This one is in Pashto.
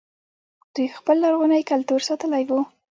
دوی خپل لرغونی کلتور ساتلی و